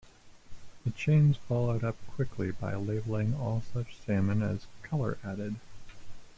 The chains followed up quickly by labeling all such salmon as "color added".